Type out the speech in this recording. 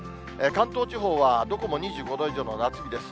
関東地方はどこも２５度以上の夏日です。